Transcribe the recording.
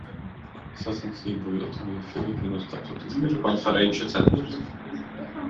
Sacensību vieta bija Filipīnu Starptautiskais konferenču centrs.